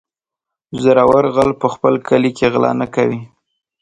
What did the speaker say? - زورور غل په خپل کلي کې غلا نه کوي.